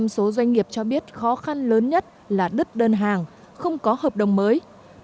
tám mươi một số doanh nghiệp cho biết khó khăn lớn nhất là đứt đơn hàng không có hợp đồng mới